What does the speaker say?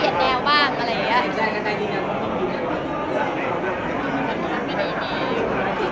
นี่ทำเป็นให้ดี